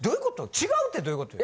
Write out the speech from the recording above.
違うってどういうことよ。